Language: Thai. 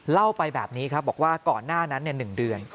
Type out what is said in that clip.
เล่าไปแบบนี้ครับบอกว่าก่อนหน้านั้น๑เดือน